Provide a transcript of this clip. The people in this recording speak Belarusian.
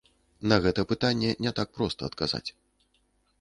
На гэта пытанне не так проста адказаць.